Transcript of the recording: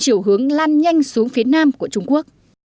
chiều hướng lan nhanh xuống phía nam của trung quốc